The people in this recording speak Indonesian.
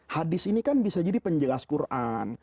hadis ini kan bisa jadi penjelas quran